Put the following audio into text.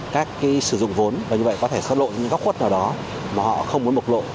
và các sử dụng vốn có thể xóa lộ những góc khuất nào đó mà họ không muốn bộc lộ